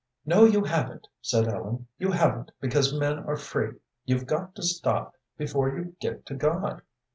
"No, you haven't," said Ellen "you haven't, because men are free. You've got to stop before you get to God.